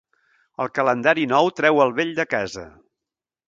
El calendari nou treu el vell de casa.